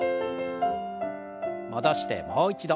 戻してもう一度。